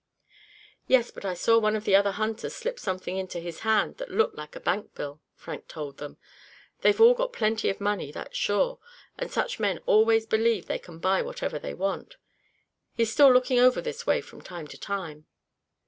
"Yes, but I saw one of the other hunters slip something into his hand that looked like a bank bill," Frank told them. "They've all got plenty of money, that's sure; and such men always believe they can buy whatever they want. He's still looking over this way from time to time."